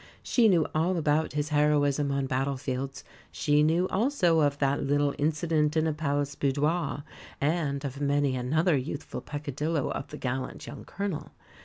She knew all about his heroism on battlefields; she knew also of that little incident in a palace boudoir, and of many another youthful peccadillo of the gallant young colonel.